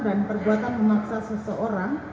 dan perbuatan memaksa seseorang